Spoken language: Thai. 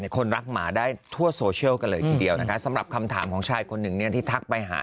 คนรักหมาได้ทั่วโซเชียลกันเลยทีเดียวนะคะสำหรับคำถามของชายคนหนึ่งเนี่ยที่ทักไปหา